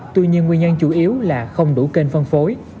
tuy nhiên nguyên nhân chủ yếu là không đủ kênh phân phối